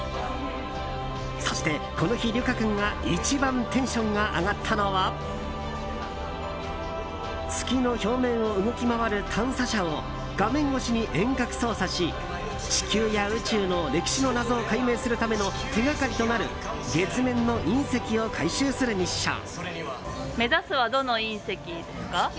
そしてこの日、りゅか君が一番テンションが上がったのは月の表面を動き回る探査車を画面越しに遠隔操作し地球や宇宙の歴史の謎を解明するための手掛かりとなる月面の隕石を回収するミッション。